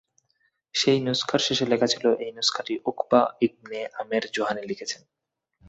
সেই নুসখার শেষে লেখা ছিল, এই নুসখাটি উকবা ইবনে আমের জুহানী লিখেছেন।